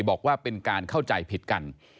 บอกว่าเป็นการเข้าใจผิดกัน